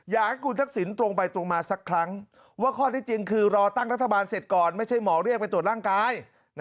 อยากให้คุณทักษิณตรงไปตรงมาสักครั้งว่าข้อที่จริงคือรอตั้งรัฐบาลเสร็จก่อนไม่ใช่หมอเรียกไปตรวจร่างกาย